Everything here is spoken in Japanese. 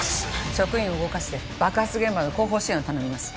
職員を動かして爆発現場の後方支援を頼みます